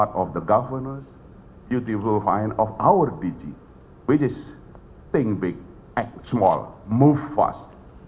hati kuat pemerintah kebijakan dg kita yaitu berpikir besar bergerak kecil bergerak cepat